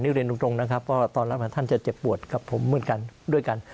นี่เรียนตรงนะครับเพราะตอนรัฐประหารท่านจะเจ็บปวดกับผมด้วยกัน